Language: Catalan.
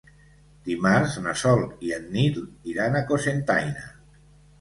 Dimarts na Sol i en Nil iran a Cocentaina.